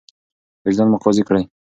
وجدان مو قاضي کړئ.